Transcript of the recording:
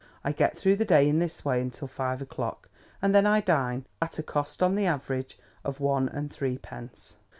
I get through the day in this way until five o'clock, and then I dine: at a cost, on the average, of one and threepence.